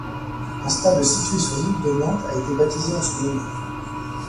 Un stade situé sur l'île de Nantes a été baptisé en son honneur.